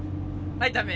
はいダメ！